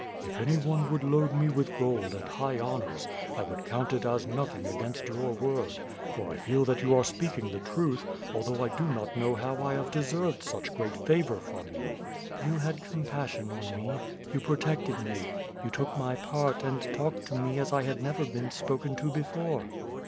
"If any one would load me with gold and high honors, I would count it as nothing against your word; for I feel that you are speaking the truth, although I do not know how I have deserved such great favor from you." "You had compassion on me; you protected me; you took my part, and talked to me as I had never been spoken to before."